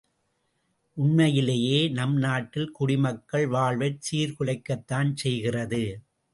உண்மையிலேயே நம் நாட்டில் குடி மக்கள் வாழ்வைச் சீர்குலைக்கத்தான் செய்கிறது.